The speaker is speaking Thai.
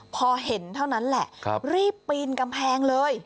พอเห็นเท่านั้นแหละรีบปีนกำแพงเลย